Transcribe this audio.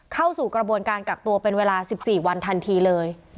เข้าสู่กระบวนการกักตัวเป็นเวลา๑๔วันทันทีเลย